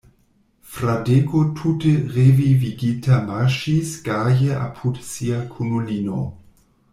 Fradeko tute revivigita marŝis gaje apud sia kunulino.